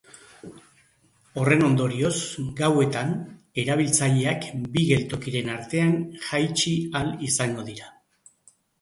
Horren ondorioz, gauetan, erabiltzaileak bi geltokiren artean jaitsi ahal izango dira.